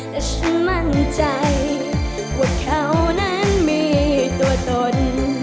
แต่ฉันมั่นใจว่าเขานั้นมีตัวตน